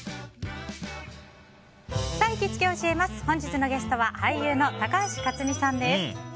本日のゲストは俳優の高橋克実さんです。